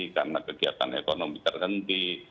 karena kegiatan ekonomi terhenti